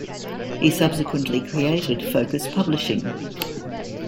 He subsequently created Focus Publishing.